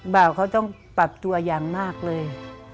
บ่าวเขาต้องปรับตัวอย่างมากเลย